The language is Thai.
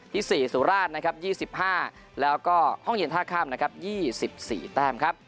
ที่๔สุราช๒๕แล้วก็ห้องเย็นท่าข้าม๒๔แต้มครับ